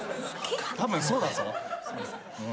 たぶんそうだぞ。